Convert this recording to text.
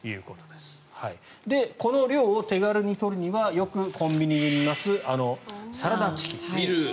で、この量を手軽に取るにはよくコンビニで見ますあのサラダチキン。